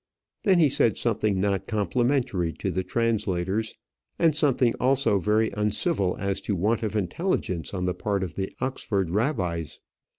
Then he said something not complimentary to the translators, and something also very uncivil as to want of intelligence on the part of the Oxford rabbis.